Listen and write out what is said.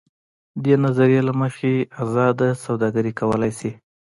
دې نظریې له مخې ازاده سوداګري کولای شي.